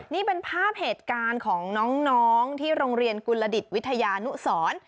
นี่เป็นภาพเหตุการณ์ของน้องที่โรงเรียนกุลดิตวิทยานุสร